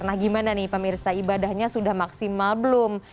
nah gimana nih pemirsa ibadahnya sudah maksimal belum